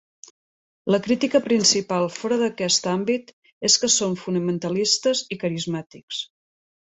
La crítica principal fora d'aquest àmbit és que són fonamentalistes i carismàtics.